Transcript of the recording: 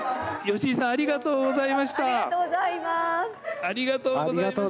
吉井さんありがとうございました。